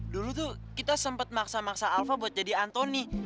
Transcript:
dulu tuh kita sempat maksa maksa alfa buat jadi antoni